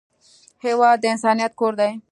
هېواد د انسانیت کور دی.